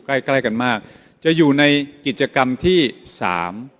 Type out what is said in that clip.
ใกล้ใกล้กันมากจะอยู่ในกิจกรรมที่สาม